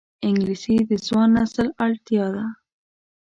انګلیسي د ځوان نسل اړتیا ده